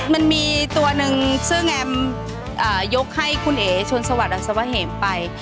มันมีตัวนึงซึ่งแอมยกให้คุณเอ๋ชนสวัสดาสวะเห็มไป